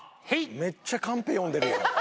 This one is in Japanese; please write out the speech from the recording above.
めっちゃ、カンペ読んでる。